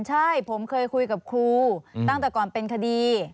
ใช่ผมเคยคุยกับครูตั้งแต่ก่อนเป็นคดี